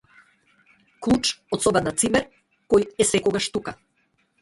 Клуч од соба на цимер кој е секогаш тука.